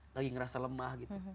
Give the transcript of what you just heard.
lagi ngerasa lemah